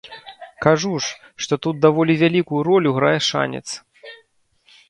Кажу ж, што тут даволі вялікую ролю грае шанец.